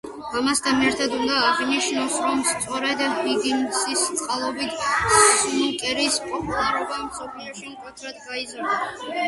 ამასთან ერთად უნდა აღინიშნოს, რომ სწორედ ჰიგინსის წყალობით სნუკერის პოპულარობა მსოფლიოში მკვეთრად გაიზარდა.